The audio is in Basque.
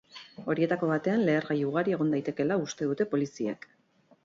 Horietako batean lehergai ugari egon daitekeela uste dute poliziek.